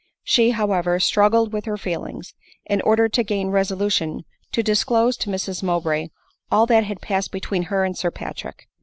She, however, struggled with her feelings, in order to gain resolution to disclose to Mrs Mowbray all that had passed between her and Sir Patrick.